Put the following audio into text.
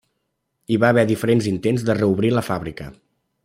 Hi va haver diferents intents de reobrir la fàbrica.